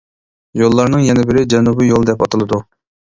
يوللارنىڭ يەنە بىرى جەنۇبىي يول دەپ ئاتىلىدۇ.